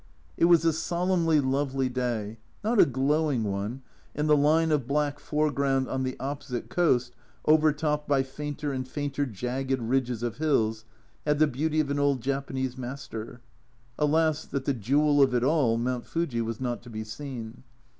It was a solemnly lovely day not a glowing one, and the line of black foreground on the opposite coast, overtopped by fainter and fainter jagged ridges of hills, had the beauty of an old Japanese master. Alas, that the jewel of it all, Mount Fuji, was not to be seen.